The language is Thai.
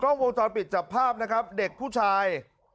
กล้องโวงจอดปิดจับภาพนะครับเด็กผู้ชาย